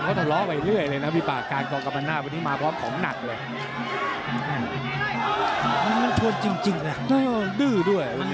เขาต่อล้อไว้เรื่อยพี่ปาการก้องกำลังหน้าวันนี้มาพร้อมของหนักเลย